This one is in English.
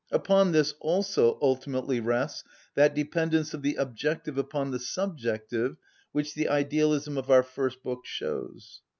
Upon this also ultimately rests that dependence of the objective upon the subjective which the idealism of our first book shows.